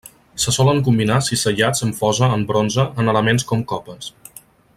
Se solen combinar cisellats amb Fosa en bronze en elements com copes.